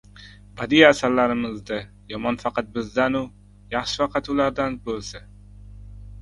badiiy asarlarimizda yomon faqat bizdan-u, yaxshi faqat ulardan bo‘lsa.